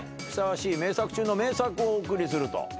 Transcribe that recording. ふさわしい名作中の名作をお送りすると。